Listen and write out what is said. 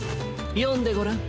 よんでごらん。